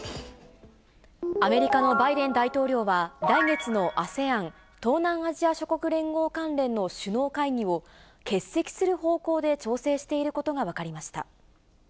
アメリカのバイデン大統領は、来月のＡＳＥＡＮ・東南アジア諸国連合関連の首脳会議を、欠席する方向で調整していることが分かりました。